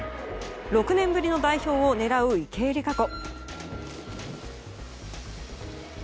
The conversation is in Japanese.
６年ぶりの代表を狙う池江璃花子。